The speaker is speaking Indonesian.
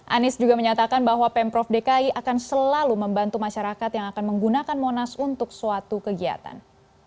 anies juga menyatakan bahwa pemprov dki akan selalu membantu masyarakat yang akan menggunakan monas untuk suatu kegiatan